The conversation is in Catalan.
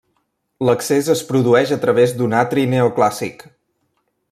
L'accés es produeix a través d'un atri neoclàssic.